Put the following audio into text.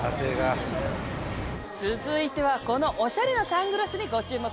続いてはこのおしゃれなサングラスにご注目！